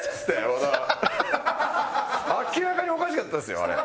明らかにおかしかったですよあれ。